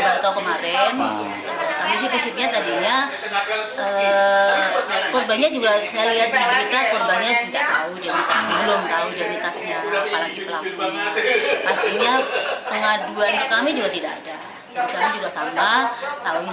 baru kemarin masih positifnya tadinya kebanyakan saya lihat mereka perubahan juga tahu jenis